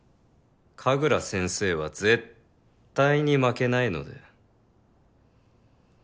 神楽先生は絶対に負けないので。